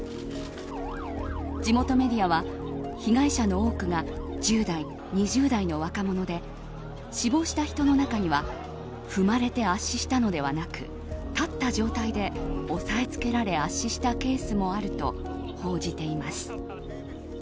地元メディアは被害者の多くが１０代、２０代の若者で死亡した人の中には踏まれて圧死したのではなく立った状態で押さえつけられ圧死したケースもあると報じています。